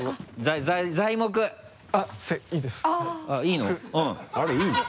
あれいいの？